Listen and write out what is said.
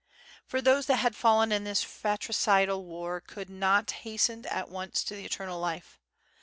'' For those that had fallen in this fratricidal war could not hasten at once to the eternal life.